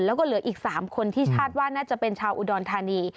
แล้วก็เหลืออีก๓คนที่คาดว่าน่าจะเป็นชาวอุดรธานี